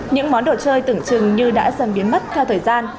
những món đồ chơi tưởng chừng như đã dần biến mất theo thời gian